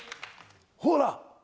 ほら。